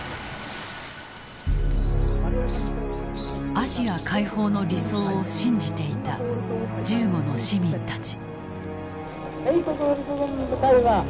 アジア解放の理想を信じていた銃後の市民たち。